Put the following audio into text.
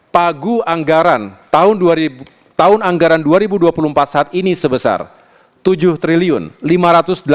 pagu anggaran tahun anggaran dua ribu dua puluh empat saat ini sebagai berikut